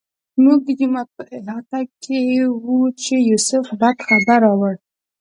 موږ د جومات په احاطه کې وو چې یوسف بد خبر راوړ.